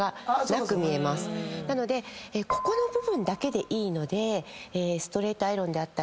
なのでここの部分だけでいいので。